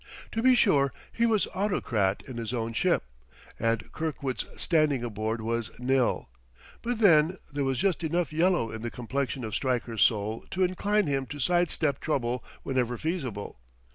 To be sure, he was autocrat in his own ship, and Kirkwood's standing aboard was nil; but then there was just enough yellow in the complexion of Stryker's soul to incline him to sidestep trouble whenever feasible.